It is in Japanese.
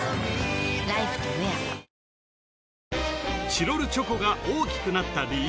チロルチョコが大きくなった理由